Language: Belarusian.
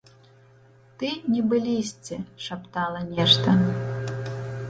Ты, нібы лісце, шаптала нешта.